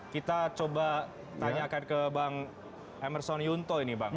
kita coba tanyakan ke bang emerson yunto ini bang